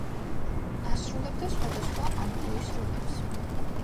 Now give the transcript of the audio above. ასრულებდა სხვადასხვა ამპლუის როლებს.